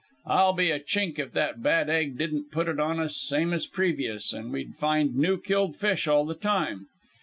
I'll be a Chink if that bad egg didn't put it on us same as previous, an' we'd find new killed fish all the time.